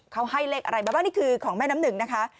เขาให้เลขอะไรมาบ้างนี่คือของแม่น้ำหนึ่งนะคะ